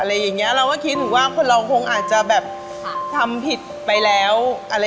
เราก็คิดถึงว่าคนเราคงอาจจะแบบทำผิดไปแล้วอะไร